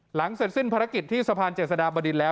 หลังเสร็จสิ้นภารกิจที่สะพานเจษฎาบดินแล้ว